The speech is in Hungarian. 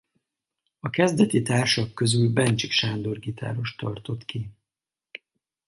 A kezdeti társak közül Bencsik Sándor gitáros tartott ki.